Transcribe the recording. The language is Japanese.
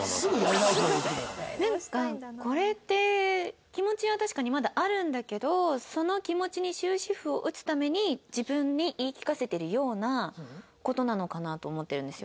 なんかこれって気持ちは確かにまだあるんだけどその気持ちに終止符を打つために自分に言い聞かせてるような事なのかなと思ってるんですよ。